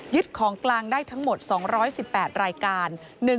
ของกลางได้ทั้งหมด๒๑๘รายการ